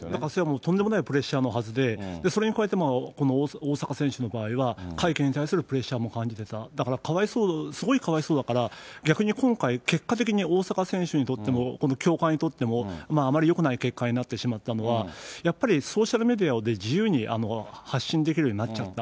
とんでもないプレッシャーのはずで、それに加えて、この大坂選手の場合は、会見に対するプレッシャーも感じてた、だからかわいそう、すごいかわいそうだから、逆に今回、結果的に大坂選手にとっても、協会にとっても、あまりよくない結果になってしまったのは、やっぱり、ソーシャルメディアで自由に発信できるようになっちゃった。